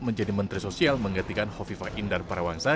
menjadi menteri sosial menggantikan hofifa indar barawangsa